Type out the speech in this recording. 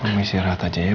permisi rehat aja ya